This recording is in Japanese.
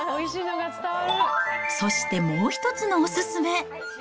そしてもう一つのお勧め。